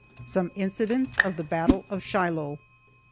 SOME INCIDENTS OF THE BATTLE OF SHILOH.